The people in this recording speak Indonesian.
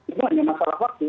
itu hanya masalah waktu